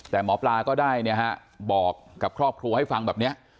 แต่หมอปลาก็ได้บอกกับครอบครัวให้ฟังแบบนี้